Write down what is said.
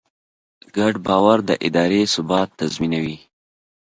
ګډ باور د ادارې ثبات تضمینوي.